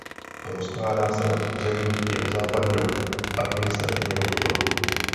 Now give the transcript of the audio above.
Rozkládá se na území Jihozápadního administrativního okruhu.